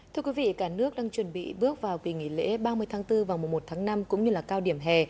thưa quý vị cả nước đang chuẩn bị bước vào kỳ nghỉ lễ ba mươi tháng bốn và một mươi một tháng năm cũng như là cao điểm hè